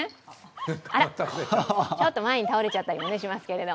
あら、ちょっと前に倒れちゃったりもしますけど。